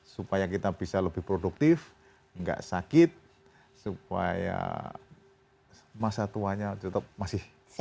supaya kita bisa lebih produktif nggak sakit supaya masa tuanya tetap masih sehat